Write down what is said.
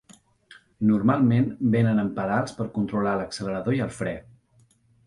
Normalment venen amb pedals per controlar l'accelerador i el fre.